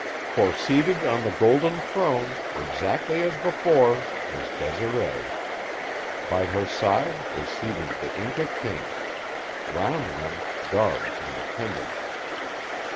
For, seated on the golden throne, exactly as before, was Desiree. By her side was seated the Inca king; round them, guards and attendants.